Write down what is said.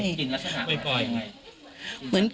มีกลิ่นลักษณะบ่อยยังไง